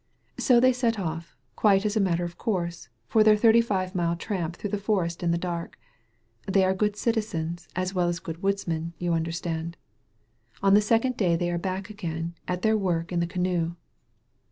So they set off, quite as a matter of course, for their thirty five mile tramp through the forest in the dark. They are good citizens, as well as good woodsmen, you understand. On the second day they are back again at their work in the canoe.